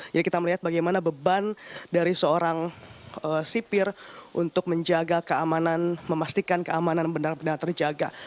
jadi kita melihat bagaimana beban dari seorang sipir untuk menjaga keamanan memastikan keamanan benar benar terjaga